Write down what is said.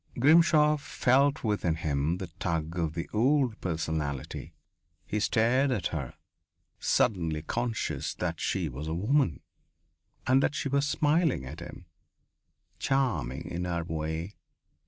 Grimshaw felt within him the tug of the old personality. He stared at her, suddenly conscious that she was a woman and that she was smiling at him. Charming, in her way.